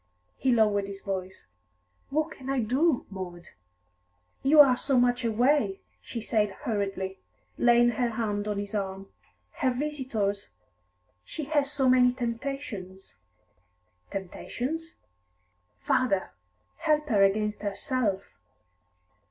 He lowered his voice. "What can I do, Maud?" "You are so much away," she said hurriedly, laying her hand on his arm. "Her visitors she has so many temptations " "Temptations?" "Father, help her against herself!"